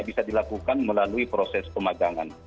bisa dilakukan melalui proses pemagangan